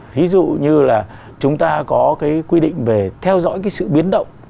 ví dụ như là chúng ta có cái quy định về theo dõi cái sự biến động